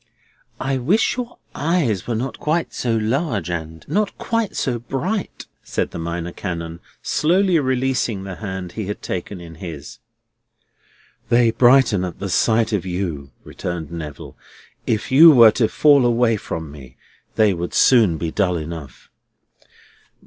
"I wish your eyes were not quite so large and not quite so bright," said the Minor Canon, slowly releasing the hand he had taken in his. "They brighten at the sight of you," returned Neville. "If you were to fall away from me, they would soon be dull enough."